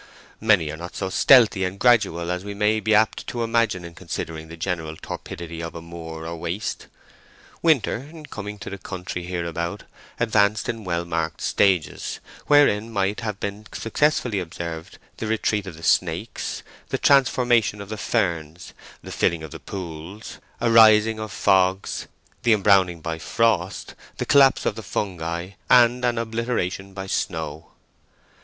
Many are not so stealthy and gradual as we may be apt to imagine in considering the general torpidity of a moor or waste. Winter, in coming to the country hereabout, advanced in well marked stages, wherein might have been successively observed the retreat of the snakes, the transformation of the ferns, the filling of the pools, a rising of fogs, the embrowning by frost, the collapse of the fungi, and an obliteration by snow.